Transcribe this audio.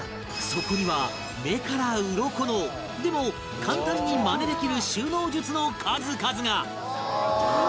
そこには目からうろこのでも簡単にマネできる収納術の数々が！